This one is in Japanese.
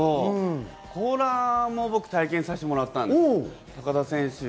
コーラーも僕体験させてもらったんです。